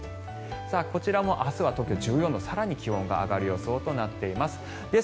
こちらも明日は東京１４度更に気温が上がる予想となっています。